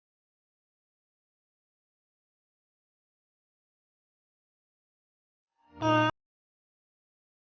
selamat mengalami papa